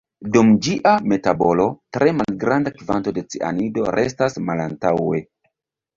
Dum ĝia metabolo, tre malgranda kvanto de cianido restas malantaŭe.